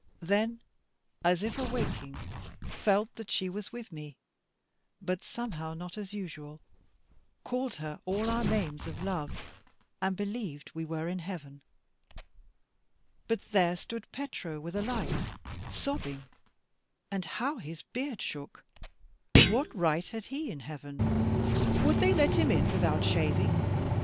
Then, as if awaking, felt that she was with me, but somehow not as usual; called her all our names of love, and believed we were in heaven. But there stood Petro with a light, sobbing, and how his beard shook! What right had he in heaven? Would they let him in without shaving?